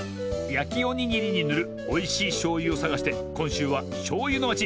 やきおにぎりにぬるおいしいしょうゆをさがしてこんしゅうはしょうゆのまち